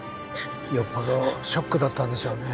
よっぽどショックだったんでしょうね。